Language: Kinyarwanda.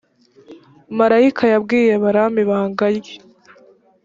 marayika yabwiye balamu ibangarye.